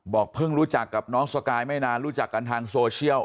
เพิ่งรู้จักกับน้องสกายไม่นานรู้จักกันทางโซเชียล